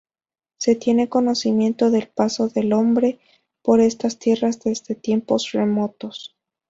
Se tiene conocimiento del paso del hombre por estas tierras desde tiempos remotos.